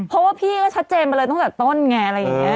เพราะว่าพี่ก็ชัดเจนมาเลยตั้งแต่ต้นไงอะไรอย่างนี้